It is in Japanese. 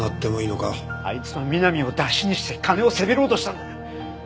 あいつは美波をダシにして金をせびろうとしたんだよ。